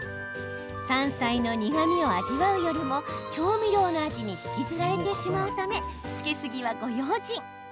山菜の苦みを味わうよりも調味料の味に引きずられてしまうためつけすぎにはご用心。